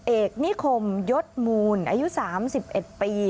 เอกนิคมยศมูลอายุ๓๑ปี